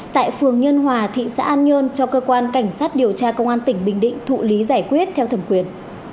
tại phường nhân hòa thị xã an nhơn cho cơ quan cảnh sát điều tra công an tỉnh bình định thụ lý giải quyết theo thẩm quyền